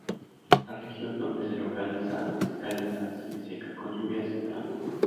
La región donde se localiza es cálida-semiseca con lluvias en verano.